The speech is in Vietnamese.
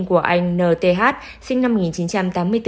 của anh n t h sinh năm